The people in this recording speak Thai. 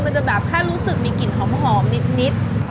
จะแบบแค่รู้สึกมีกลิ่นหอมนิด